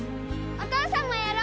お父さんもやろ！